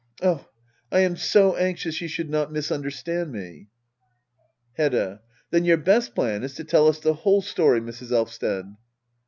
Oh — I am so anxious you should not misunderstand me Hedda. Then your best plan is to tell us the whole story, Mrs. Elvsted.